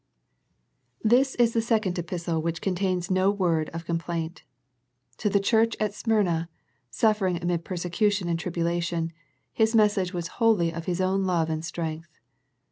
'T^ HIS is the second epistle which contains * no word of complaint. To the church at Smyrna, suffering amid persecution and tribulation, His message was wholly of His own love and strength.